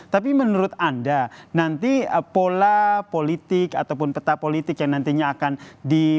tapi menurut anda nanti pola politik ataupun peta politik yang nantinya akan di